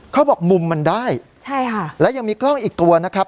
เขาบอกมุมมันได้ใช่ค่ะและยังมีกล้องอีกตัวนะครับ